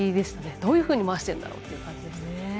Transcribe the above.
どういうふうに回してるんだろうって感じでした。